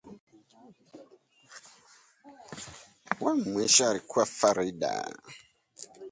Wa mwisho alikuwa Farida